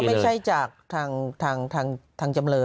แต่ก็ไม่ใช่จากทางจำเลิน